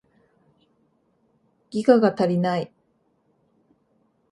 ギガが足りない